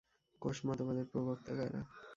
কোষ মতবাদের প্রবক্তা কারা?